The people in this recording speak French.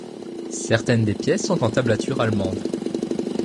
Certaines des pièces sont en tablature allemande.